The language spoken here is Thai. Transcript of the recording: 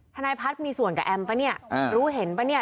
ทนายพัฒน์มีส่วนกับแอมปะเนี่ยรู้เห็นป่ะเนี่ย